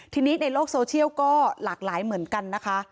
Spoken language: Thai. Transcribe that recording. ทีนี้ในโลกโซเชียลก็หลากหลายเหมือนกันนะคะ